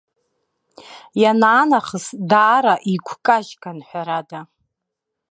Ианаа нахыс даара игәкажьган ҳәарада.